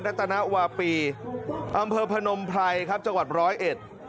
ัตนวาปีอำเภอพนมไพรครับจังหวัดร้อยเอ็ด